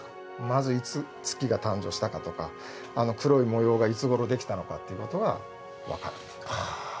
まずいつ月が誕生したかとかあの黒い模様がいつごろできたのかっていうことが分かると。